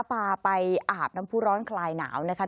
พาไปอาบน้ำผู้ร้อนคลายหนาวนะคะ